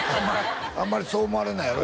あんまりそう思われないやろ？